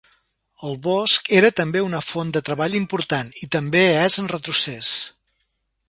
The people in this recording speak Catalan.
El bosc era també una font de treball important, i també és en retrocés.